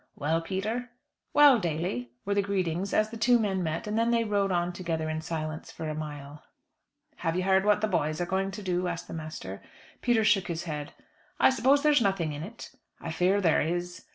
"Well, Peter." "Well, Daly," were the greetings, as the two men met; and then they rode on together in silence for a mile. "Have you heard what the boys are going to do?" asked the master. Peter shook his head. "I suppose there's nothing in it?" "I fear there is."